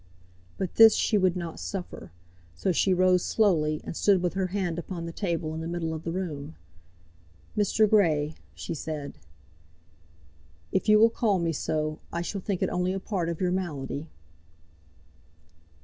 But this she would not suffer, so she rose slowly, and stood with her hand upon the table in the middle of the room. "Mr. Grey " she said. "If you will call me so, I shall think it only a part of your malady."